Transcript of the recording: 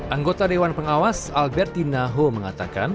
anggota dewan pengawas alberti naho mengatakan